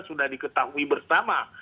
sudah diketahui bersama